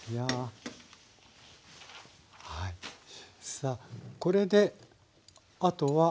さあこれで後は。